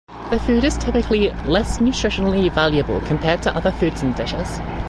The food is typically less nutritionally valuable compared to other foods and dishes.